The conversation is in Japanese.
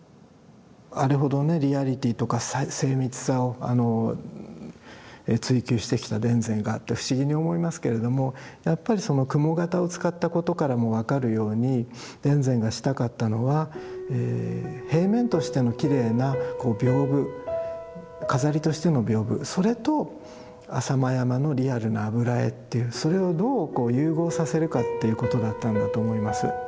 あれほどねリアリティーとか精密さを追求してきた田善がって不思議に思いますけれどもやっぱりその雲形を使ったことからも分かるように田善がしたかったのは平面としてのきれいな屏風飾りとしての屏風それと浅間山のリアルな油絵っていうそれをどう融合させるかっていうことだったんだと思います。